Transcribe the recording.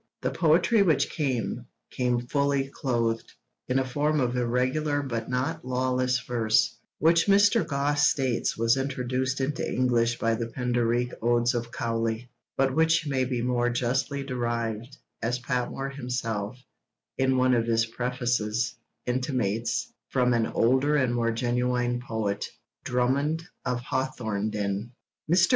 The poetry which came, came fully clothed, in a form of irregular but not lawless verse, which Mr. Gosse states was introduced into English by the Pindarique Odes of Cowley, but which may be more justly derived, as Patmore himself, in one of his prefaces, intimates, from an older and more genuine poet, Drummond of Hawthornden. Mr.